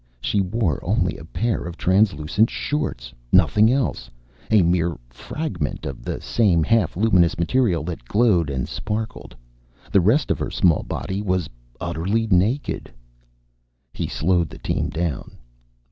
She wore only a pair of translucent shorts. Nothing else. A mere fragment of the same half luminous material that glowed and sparkled. The rest of her small body was utterly naked. He slowed the team down.